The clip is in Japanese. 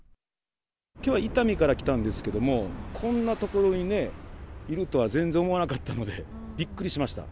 きょうは伊丹から来たんですけれども、こんな所にね、いるとは全然思わなかったので、びっくりしました。